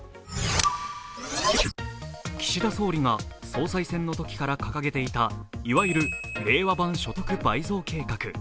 岸田総理が総裁選のときから掲げていたいわゆる令和版・所得倍増計画。